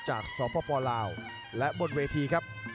จากสปลาวและบนเวทีครับ